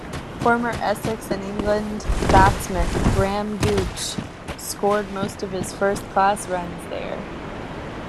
Former Essex and England batsman Graham Gooch scored most of his first-class runs there.